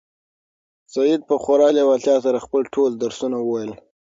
سعید په خورا لېوالتیا سره خپل ټول درسونه وویل.